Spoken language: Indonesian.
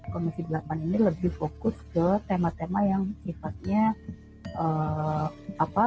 komisi delapan ini lebih fokus ke tema tema yang sifatnya